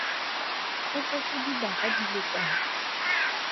Go setse dibaga di le kae?